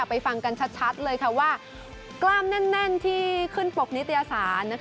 ฟังกันชัดเลยว่ากล้ามแน่นที่ขึ้นปกนิตยสาร